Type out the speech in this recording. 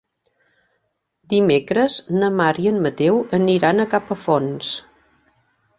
Dimecres na Mar i en Mateu aniran a Capafonts.